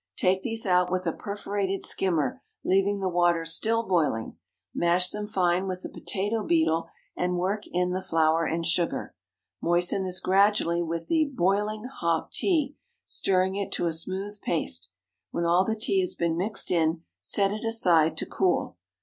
Take these out with a perforated skimmer, leaving the water still boiling, mash them fine with a potato beetle, and work in the flour and sugar. Moisten this gradually with the boiling hop tea, stirring it to a smooth paste. When all the tea has been mixed in, set it aside to cool.